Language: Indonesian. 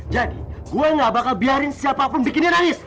jadi gue gak bakal biarin siapa pun bikin dia nangis